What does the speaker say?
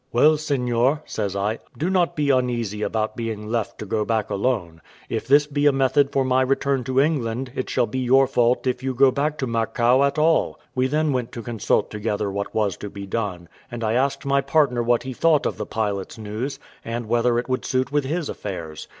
"Well, Seignior," says I, "do not be uneasy about being left to go back alone; if this be a method for my return to England, it shall be your fault if you go back to Macao at all." We then went to consult together what was to be done; and I asked my partner what he thought of the pilot's news, and whether it would suit with his affairs?